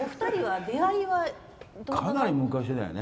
かなり昔だよね。